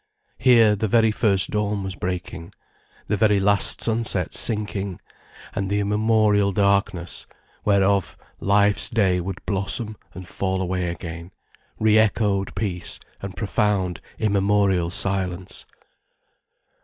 Here, the very first dawn was breaking, the very last sunset sinking, and the immemorial darkness, whereof life's day would blossom and fall away again, re echoed peace and profound immemorial silence.